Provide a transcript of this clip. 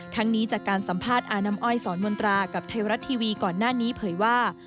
นี้จากการสัมภาษณ์อาน้ำอ้อยสอนมนตรากับไทยรัฐทีวีก่อนหน้านี้เผยว่า